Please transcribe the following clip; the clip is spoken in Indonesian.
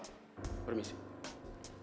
apa sih salah